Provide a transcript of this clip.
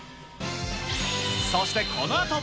そしてこのあと。